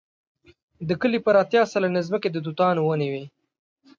د کلي پر اتیا سلنې ځمکې د توتانو ونې وې.